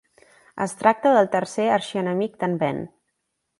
Es tracta del tercer arxienemic d'en Ben.